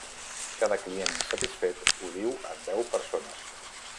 Cada client insatisfet ho diu a deu persones.